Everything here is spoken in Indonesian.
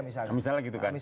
misalnya gitu kan